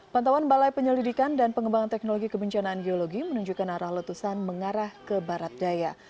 pantauan balai penyelidikan dan pengembangan teknologi kebencanaan geologi menunjukkan arah letusan mengarah ke barat daya